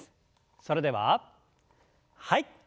それでははい。